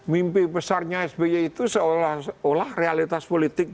mimpi besarnya sby itu seolah olah realitas politik